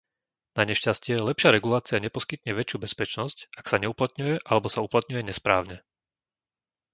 Nanešťastie, lepšia regulácia neposkytne väčšiu bezpečnosť, ak sa neuplatňuje alebo sa uplatňuje nesprávne.